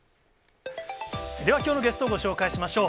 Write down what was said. ではきょうのゲストをご紹介しましょう。